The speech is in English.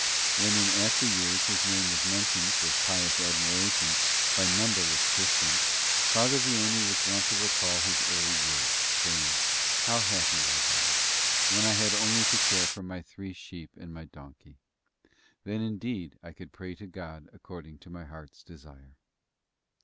When in after years his name was mentioned with pious admiration by numberless Christians, Father Vianney was wont to recall his early years, saying: "How happy was I, when I only had to care for my three sheep and my donkey. Then indeed I could pray to God according to my heart's desire."